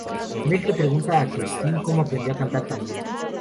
Meg le pregunta a Christine cómo aprendió a cantar tan bien.